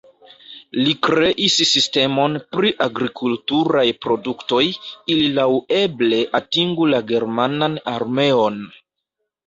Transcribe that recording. Li kreis sistemon pri agrikulturaj produktoj, ili laŭeble atingu la germanan armeon.